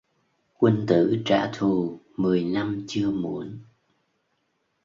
Quân tử trả thù mười năm chưa muộn